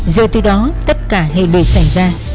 rồi từ đó tất cả hệ lực xảy ra